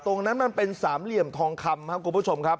มันเป็นสามเหลี่ยมทองคำครับคุณผู้ชมครับ